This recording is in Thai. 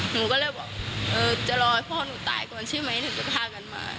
หนูก็เลยบอกเออจะรอให้พ่อหนูตายก่อนใช่ไหมถึงจะพากันมา